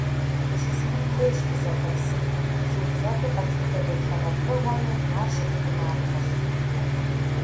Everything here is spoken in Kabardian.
Дыщысхьын хуейщ дызэфэ псым, зыуцӀэпӀу къэтлъытэ дэтхэнэ пкъыгъуэми ар щытхъумапхъэщ.